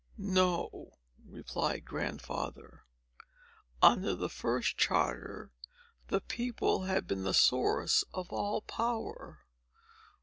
"No," replied Grandfather. "Under the first charter, the people had been the source of all power.